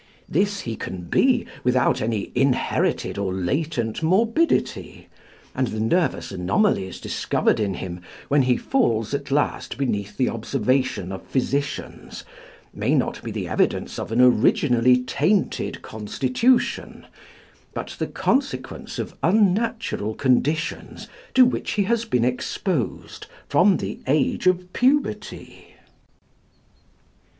This he can be without any inherited or latent morbidity; and the nervous anomalies discovered in him when he falls at last beneath the observation of physicians, may be not the evidence of an originally tainted constitution, but the consequence of unnatural conditions to which he has been exposed from the age of puberty.